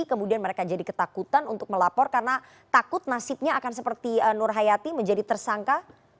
kemudian mereka jadi ketakutan untuk melapor karena takut nasibnya akan seperti nur hayati menjadi tersangka